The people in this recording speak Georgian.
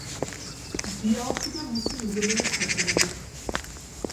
დიაოხი და მისი მეზობელი ქვეყნები